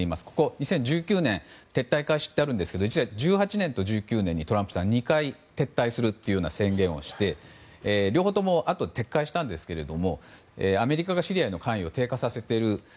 ２０１９年に撤退開始とあるんですが２０１８年と１９年の２回トランプさんは撤退すると宣言をして、両方ともあとで撤回したんですがアメリカがシリアへの関与を低下させている。